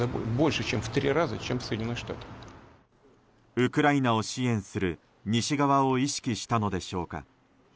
ウクライナを支援する西側を意識したのでしょうか。